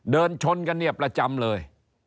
เดินชนกันเนี่ยประจำเลย